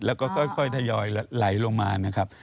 แล้วก็ค่อยทยอยไหลลงมานะครับ